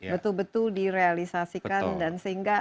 betul betul direalisasikan dan sehingga